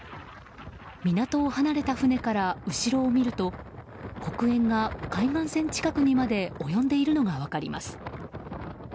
港を離れた船から後ろを見ると黒煙が海岸線近くにまで及んでいるのが分かります。